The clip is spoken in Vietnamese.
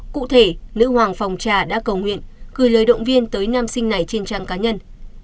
cụ thể nữ hoàng phòng trà đã cầu nguyện gửi lời động viên tới nam sinh này trên trang cá nhân